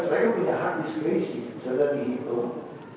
saya menahan diskresi saya datang di hitung